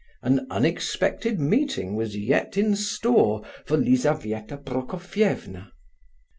An unexpected meeting was yet in store for Lizabetha Prokofievna.